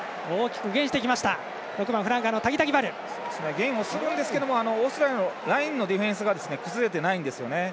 ゲインするんですけどオーストラリアのラインのディフェンスが崩れてないんですね。